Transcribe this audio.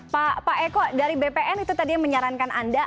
pak eko dari bpn itu tadi yang menyarankan anda